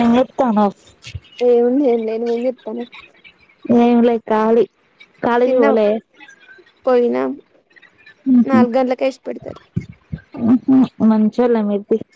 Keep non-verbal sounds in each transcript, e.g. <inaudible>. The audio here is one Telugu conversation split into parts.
ఎం చెత్తనవు ఏ చేయాలె నేను ఎం చెత్తన్నావు ఎం లె కాళీ తిన్న పోయినా నాలుగు గంటలక ఇష్టపడతారు హ్మ్ హ్మ్ మంచిగా <unintelligible>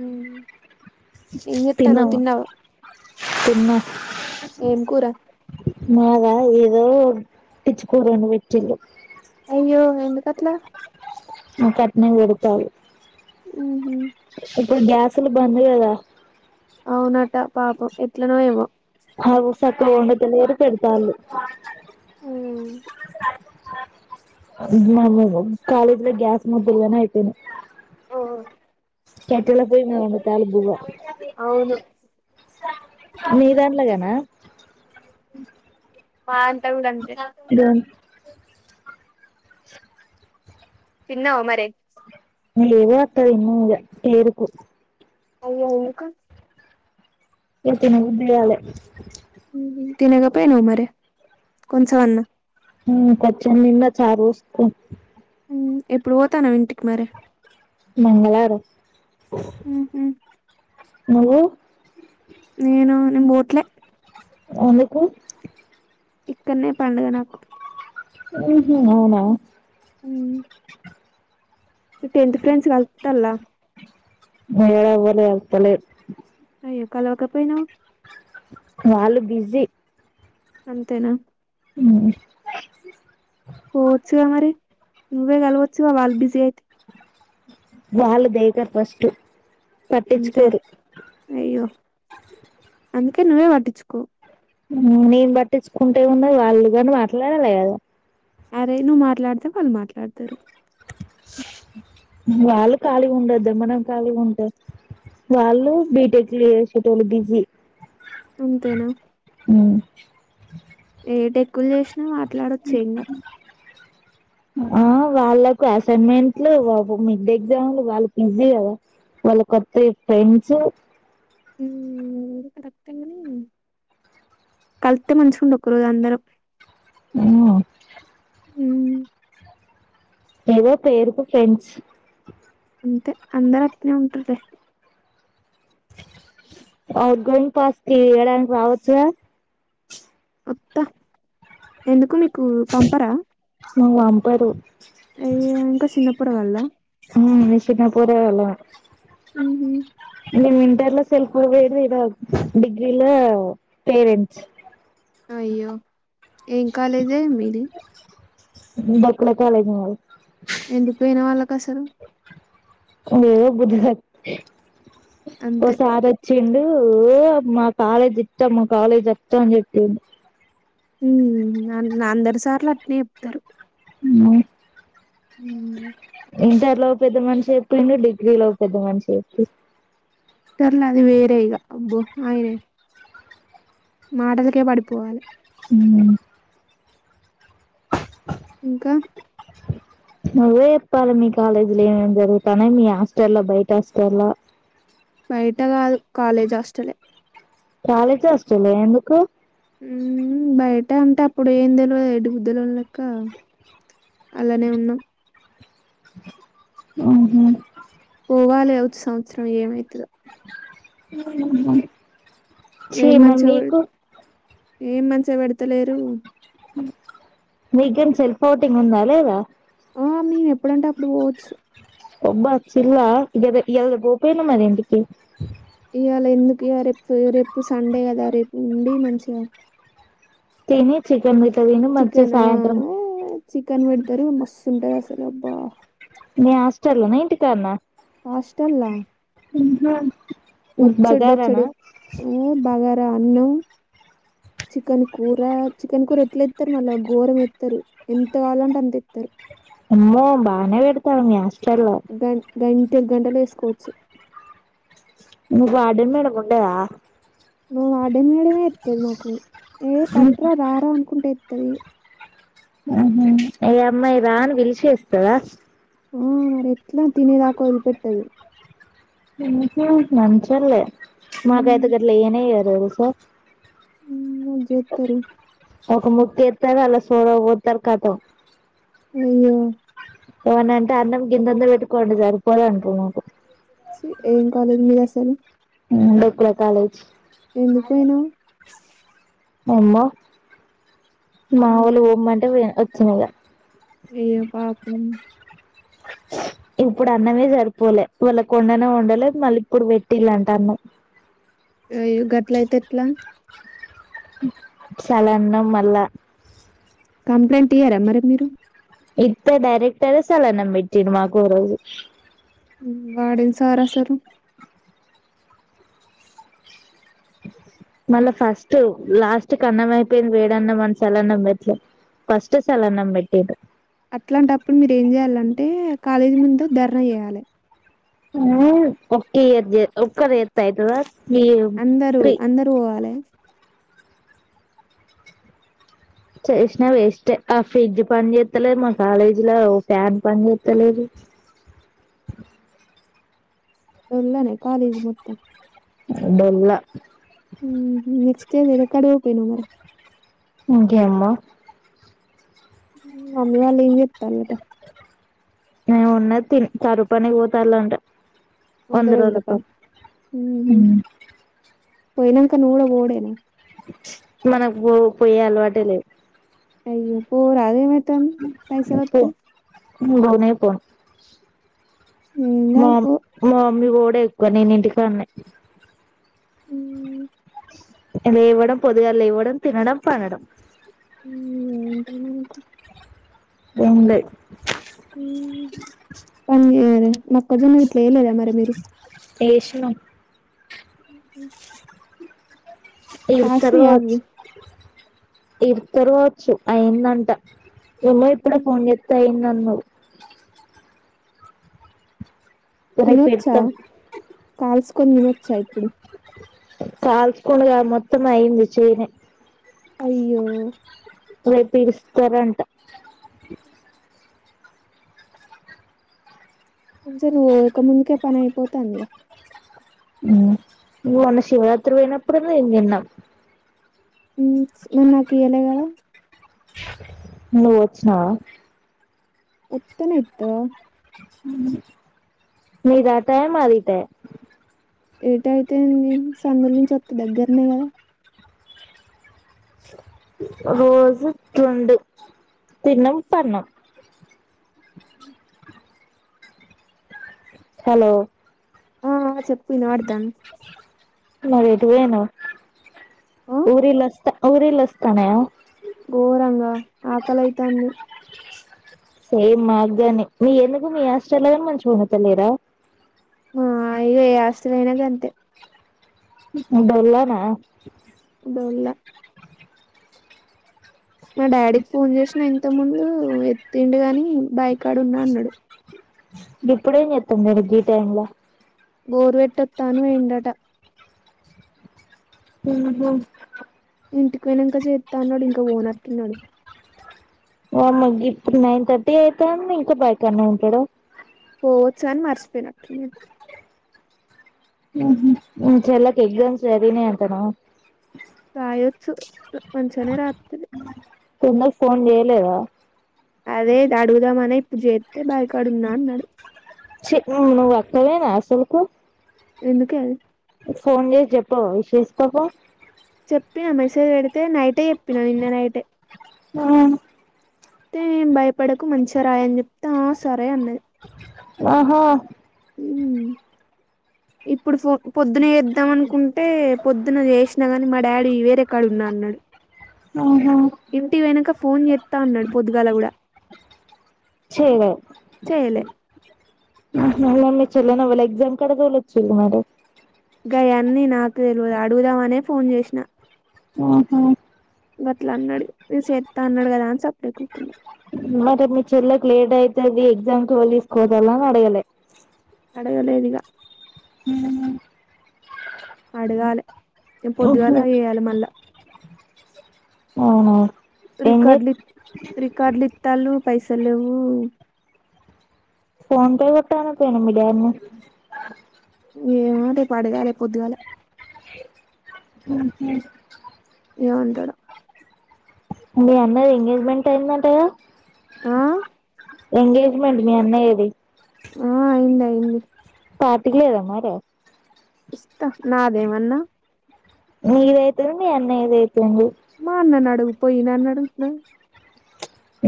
ఉ తిన్నా తిన్న ఏం కూర మాగా ఓ ఓ పిచ్చి కుంద్దాలు పెటిల్లు అయ్యో ఎందు కట్లా మా కట్నే కొడతాలి ఉ ఊ ఇప్పుడు గ్యాసులు బంద్ కదా అవును అ సక్క ఉండదల ఎరు పెడతా ఉమ్ మ కాలజ్లో గ్యాస్ ముద్దలుగానే అయితేన ఓ మీద వండుతాళ్ళు అవును మీదంలగానా మా అంతా కూడాడంతే తిన్నావా మరి లెదు <unintelligible> టు వరకు అయ్య ఎందుకు ఇగ తినబుద్ధి కాలే తినగా పోయినావు మరి కొంచం అన్న కొచ్చం తిన్న చారు పోసుకుని ఎప్పుడు పోతానవు ఇంటికి మరీ మంగళవారం ఉహు నువ్ నేను నెన్ బోవట్లే ఎందుకు ఇక్కన్నే పండుగ నాకు ఉహు అవునా హూ మీ టెన్త్ ఫ్రెండ్స్ కలుతల్లా మే ఎవల్ కలుస్తలేరు అయ్యో కలవకపోయినావు వాలు బిజీ అంతేనా ఆ పో వచ్చ మరి నువ్వే కలువచు గా వాళ్ళు బిజీ అయితే వాళ్ళు దేకరు ఫస్ట్ అంతే పట్టించుకోరు అయ్యో అందుకే నువే పటిచ్చుకో నేను పట్టించుకుంటే ఉన్నది వాళ్ళు కాని మాట్లాడాలి కదా అరే నువు మాట్లాడితే వాళ్ళు మాట్లాడతరు వాళ్ళు ఖాళీగా ఉండదు మనం ఖాళీగా ఉంటే వాళ్ళు బిటెక్లు చేసేటోలు బిజీ అంతేనా అ ఏ టేక్కులు చేసినా మాట్లాడొచ్చు ఏం కాదు ఆ వాళ్ళకు అసైన్మెంట్లు మిడ్డేగ్జామ్లు వాళ్ళకి బిజీ కదా వాళ్ళ కొత్త ఫ్రెండ్స్ హూ కరెక్టే కానీ కలితే మంచిగుండు ఒక రోజు అందరం అ హూ ఏదో పేరుకు ఫ్రెండ్స్ అంతే అందరు అట్లే ఉంటార్లే అ గుంపాస్తి ఏడానికి రావచ్చ గా ఒత్తా ఎందుకు మీకు పంపరా నాన్ పంపరు అయ ఇంకా చిన్నపోరగాల్లా మ్మ్ చిన్న పొరగాలమ్మే ఉహు నేను ఇంటర్లో లో సెల్ఫ పోయది ఏదో డిగ్రీలో పేరెంట్స్ అయ్యో ఏం కాలేజీ మీది డొక్కులా కాలేజ్ మాది ఎందుకు పోయిన వాళ్ళకు అసలు ఓ బుధ ఓ అంతే సార్ వచ్చిండు ఓ అమ్మ కాలేజ్ చెప్తా మా కాలేజ్ చెప్తా అని చెప్పి ఉ అందరూ సార్లు అట్నే చెప్తారు మ్.... ఇంటర్లో పెద్ద మనిషి చెప్పిండు డిగ్రీ లో పెద్దమనిషి చెప్పి సర్లే అది వేరే ఇగ అబ్బో ఆయనె మాటలకే పడిపోవాలి మ్ ఇంకా నువ్వే చెప్పాలి మీ కాలేజ్ లో ఏమేం జరుగుతానయ్ మీ హాస్టల్ బయట హాస్టల్ బయట కాదు కాలేజ్ హాస్టలే కాలేజ్ హాష్టలే ఎందుకు ఉ... బయట అంటే అప్పుడు ఏం తెల్వదు <unintelligible> లెక్క అలానే ఉన్నాం మ్.. హుమ్ పోవాలె వచ్చె సంవత్సరం ఏమయితుందో మ్... ఛ్చీ ఏం మరి మంచిగా పె మీకు ఏం మంచిగా పెడతలేరు వీకెండ్ సెల్ఫ ఔటింగ్ ఉందా లేదా ఆ మేము ఎప్పుడంటే అప్పుడు పోవచ్చు ఒబ్బ వొచ్చిల్లా ఇయల ఇయల బో పొయినవ్ మరి ఇం టికి ఇయాలా ఎందుకు లె రేపు రేపు సండే కదా రేపు ఉండి మంచిగా తిని చికెన్ తిని మంచిగా చికెన్ ఆ సాయంత్రం చికెన్ పెడతారు మస్తు ఉంటది అసలు అబ్బా నీ హాస్టల్ లోన ఇంటి కాడణ హస్టల్లా ఉ.. హా బొచ్చెడు బొచ్చెడు బాగా అన్నం చికన్ కూరా చికన్ కూరా ఎట్లే మళ్ళా ఘోరం ఎత్తారు ఎంత కావాలంటే అంతెత్తారు అమ్మో బానే పెడుతారు మి హాస్ట గంటె గంటెలేసుకోవచ్చు మి వార్డన్ మేడంముండదా ఓ వార్డెన్ మేడమే ఎత్తది మాకు ఏ పట్రా ఉహు రారా అనుకుంటే ఎత్తది ఏ అమ్మాయి రాని పిలిచేస్తదా మ్.. మరి ఎట్లా తినేదాకోదిలి పెట్టదు అ.. మంచోల్లే మాగైతె ఉమ్, గట్ల ఎయ్యనే ఎయరు తెల్సా మ్ జేత్తరు ఒక ముక్క ఎత్తారు అలా సూడక పోత్తరు ఖతం అయ్యో ఏమన్నంటే అన్నం గిందంద పెట్టుకోండి సరిపోదు అంటున్నారు ఛి ఏం కాలజ్ మీదస్సలు డొక్కు లో కాలేజ్ ఎందుకు పోయినావ్ అమ్మో మా వోలు పొమ్మంటే పోయిన వచ్చిన ఇగ అయ్యో పాపం ఇప్పుడు అన్నమే సరిపోలే వాళ్ళ కొండనే వండలే మళ్ళీ ఇప్పుడు పెట్టిళంట అన్నం అయో గట్లైయితే ఎట్లా చాలా అన్నం మళ్ళా కంప్లైంట్ ఇయ్యారా మరి మీరు ఇత్తె డైరెక్టరే సల్లన్నం పెట్టిండు మాకో రోజు వార్డెన్ సార్ అసలు మళ్ళా ఫస్ట్ లాస్ట్ కన్నం అయిపోయింది వేడన్నం మన చలన్నం పెట్లే ఫస్టె సల్లన్నంబెట్టిండు అంటే కాలేజీ ముందే ధర్నా చేయాలే హుమ్ ఒక్కియార్ జె ఒక్కారు చేతైతదా అందరూ అందరు పోవాలే చేసినా వేస్టే ఆ ఫ్రిడ్జ్ పని చేస్తలేదు మా కాలేజ్ ల ఒ ఫ్యాన్ పని చేత్తలేదు ఎల్లనే కాలేజ్ మొత్తం డోల్ల మ్ హు నెక్స్ట్ ఇయర్ వేరే కడ చేయపోయినవ్ మరే ఇంకేమ్మో మమ్మీ వాళ్ళ ఏం చెత్తళ్ళట ఎం ఉన్నది తిన్ కరువు పనికి పోతళ్లంట వంద రోజుల పన్ మ్ హు పోయినంక నువ్ కూడ పోవుడేనా మనకు పో పోయే అలవాటే లేదు అయ్యో పో రాదు ఏమైతంది పైసలోతై నిను బోనే పోన్ ఏం మా కాదు పో మా మమ్మీ పోవుడే ఎక్కువ నేను ఇంటికాన్నే మ్మ్ లేవడం పొదుగల లేవడం తినడం పండడం హుమ్ ఏం పని మనకి ఎం లే హుమ్ పనిచేయాలె మక్కజొన్న గిట్లేయలేద మరి మీరు ఏషినం ఇరుత్తరు కాసినయా అవి కావచ్చు ఇరుత్తరు కావచ్చు అయిందంట చెల్లె ఇప్పుడే హ్మ్. ఫోన్ చేస్తే ఐందిదన్నావ్ రేపు తినొచ్చా పెడతాం కాల్సుకొని తినొచ్చా ఇప్పుడు కాల్చకోను కాదు మొత్తం అయింది చేనే అయ్యో రేపు ఇరుస్తారంట మంచిగా నువ్వు పోక ముందుకే పనైపోతాందిగా హు నువ్ మొన్న శివరాత్రి పోయినప్పుడే మీమ్ తిన్నాం హు మరి నాకు ఇయ్యలే కదా నువ్వువచ్చినవా ఒత్తనే ఇత్తవ మీ దతయే మాదిటయే ఏటైతేంది సందుల నుంచి వతె దగ్గరనే కదా రోజు ఇట్లుండు తిన్నంపన్నం హలో ఆ ఆ! చెప్పు ఇనపడుతంది మరేటుపోయినవ్ ఆ ఊరిల్స్ ఊరిలోస్తన్నాయా ోరంగా ఆకలి అయితాంది సేమ్ మాగ్గని మీ ఎందుకు మీ హస్టల్లో కాని మంచిగా ఓడుత లేరా హ ఇగ ఏ హాస్టలైనా గంతే డోల్లనా డోల్ల మా డాడీకి ఫోన్ చేసిన ఇంత ముందు ఎత్తిండు గాని బైకాడున్నా అన్నాడు గిప్పుడు ఏం చేతం మరి గి టైమ్ లో బోర్ పెట్టోత్త అని పోయిండట అ హ ఇంటికి పోయినంకా చేత్త అన్నాడు ఇంకా పోనట్టున్నాడు వామ్మో గిప్ నైన్ థర్టీ అయితాంది ఇంకా బైకన్నె ఉంటడ ఓ చన్ మర్చిపోయినట్టు ఉంది. ఉహుమ్. మీ చెల్లెకి ఎగ్జామ్స్ జరిగినాయంటానా. రాయొచ్చు, మంచిగనే రాత్తది. కుమార్ ఫోన్ జేయ్లేదా. అదే ఇద్ అడుగుదామనే ఇప్పుడడ్ చేత్తే, బాయి కాడున్నా అన్నాడు. ఛీ ను, నువ్వు అక్కవేనా అసల్కు? ఎందుకే. ఫోన్ జేసి జెప్పినవ విషెస్ పాపం. చెప్పినా, మెసేజ్ బెడితే నైటే చెప్పినా, నిన్న నైటే. ఓ. తే ఏం భయపడకు మంచి రాయని చెప్తే, ఆ సరే అన్నది. ఓహో. ఉమ్మ్. ఇప్పుడు ఫో, పొద్దున్న చేద్దాం అనుకున్, టే, పొద్దున జేసినా గాని, మా డాడీ వేరే కాడ ఉన్నా అన్నాడు. ఆహా ఇంటిక్ పోయినంక ఫోన్ చేత్తా అన్నాడు, పొద్దుగాల గుడా. చెయ్యిలే <unintelligible> చెల్లిని ఎవలు ఎక్జామ్ కాడా దొలచిన్రు మరి. గాయన్నీ నాకే తెలివద్, అడుగుదామనే ఫోన్ జేసిన. ఆహా. గట్లా అన్నాడు, ఇగ సేత్త అన్నాడు గదా అని సప్పుడెకా ఉకున్నా. మరి మీ చెల్లెకి లేేట్ అయితది, ఎగ్జామ్కి ఎవాలుదిస్కపోతారు అని అడగలే. అడగలేదిగా. ఉహుమ్. అడగాలే, ఇగ ఉహు పొద్దుగాల చేయాలే మళ్ళా. అవునా. ఏం చే రికార్డులు లిత్, రికార్డులు లీత్తాలు పైసాల్ లేవ్వు. ఫోన్ పే కొట్టు ఆనకపోయినవ్ మీ డాడ్నీ. ఆ రేప్ అడగాలే పొద్దుగాలా. ఉహు. ఏం అంటాడో. మీ అన్నయ్య ఎంగేజ్మెంట్, అయిందంటగా. ఆ ఎంగలేజ్మెంట్ మీ అన్నయ్యా ది. ఆ అయింది, అయింది. పార్టికి లేదా మరి. ఇస్తా, నా దేమన్న. నీది అయితాది, మీ అన్నయ్యది అయిత్, మా అన్న నడుగుపోయి, నన్ను అడుగుతవ్,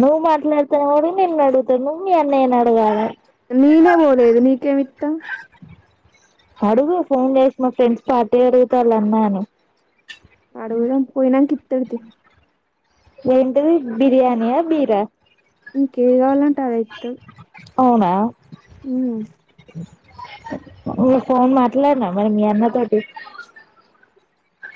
నువ్ మాట్లాడ్తానవ్ కాబట్టి, నిన్నడుగుతా నువ్ మీ అన్నయ్యనీ అడుగాలే. నీనే పోలేదు, నీకేమిత్త. అడుగు ఫోన్ జేసి, మా ఫ్రెండ్స్ పార్టీ అడుగుతన్లు అన్నా అని. అడుగుదాం, పోయినంక ఇత్తాడు తీ. ఏంటిది బిర్యానీయా, బీరా? నీకేది గావాలంటే, అదే ఇత్తు. అవునా. ఉమ్. నువ్ ఫోన్ మట్లాడినవా మరి, మీ అన్న తోటి.